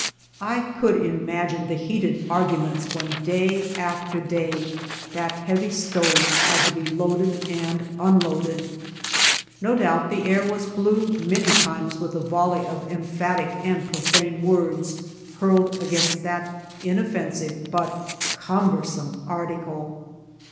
I could imagine the heated arguments when day after day that heavy stove had to be loaded and unloaded. No doubt the air was blue many times with the vol ley of emphatic and profane words, hurled against that inoffensive but cumbersome article.